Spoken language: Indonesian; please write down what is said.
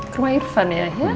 ke rumah irfan ya